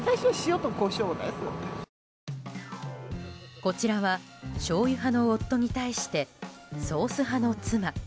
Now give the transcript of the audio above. こちらはしょうゆ派の夫に対してソース派の妻。